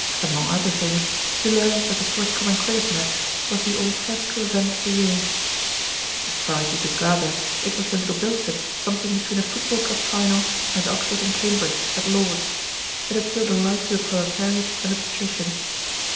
Among other things, he learned that the forthcoming cricket match was the al fresco event of the year. As far as he could gather, it was to Little Bilstead something between a Football Cup Final and Oxford and Cambridge at Lord's it appealed alike to the proletariat and the patrician.